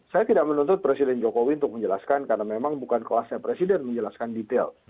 saya tidak menuntut presiden jokowi untuk menjelaskan karena memang bukan kelasnya presiden menjelaskan detail